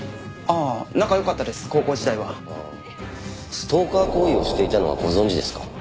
ストーカー行為をしていたのはご存じですか？